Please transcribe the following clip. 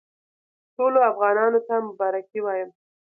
ټولو افغانانو ته مبارکي وایم.